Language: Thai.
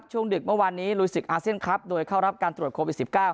หลุยสิทธิ์อาร์เซ็นต์ครับโดยเข้ารับการตรวจโควิด๑๙